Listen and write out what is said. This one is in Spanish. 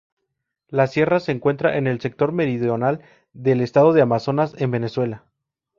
La sierra se encuentra en el sector meridional del estado de Amazonas en Venezuela.